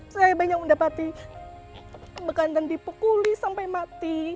saya banyak mendapati bekantan dipukuli sampai mati